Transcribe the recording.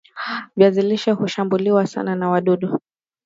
viazi lishe hushambuliwa sana na wadudu